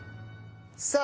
さあ